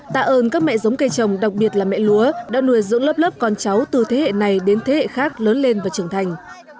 tạ ơn các mẹ giống cây trồng đặc biệt là mẹ lúa đã nuôi dưỡng lớp lớp con cháu từ thế hệ này đến thế hệ khác lớn lên và trưởng thành